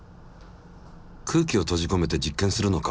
空気を閉じこめて実験するのか。